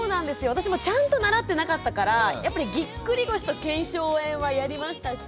私もちゃんと習ってなかったからやっぱりぎっくり腰と腱鞘炎はやりましたし。